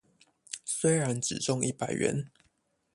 雖然只中一百元